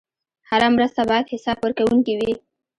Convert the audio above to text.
هره مرسته باید حسابورکونکې وي.